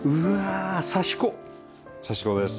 刺し子です。